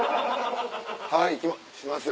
はいしますよ。